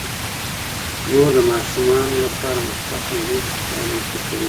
مور د ماشومانو لپاره مثبت محیط رامنځته کوي.